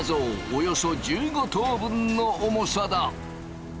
およそ１５頭分の重さだ！